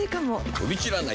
飛び散らない！